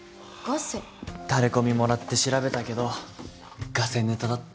タレこみもらって調べたけどガセネタだった。